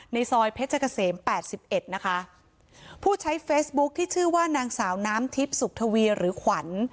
ในซอยเพชรเกษมแปดสิบเอ็ดนะคะผู้ใช้เฟซบุ๊คที่ชื่อว่านางสาวน้ำทิพย์สุขทวีหรือขวัญ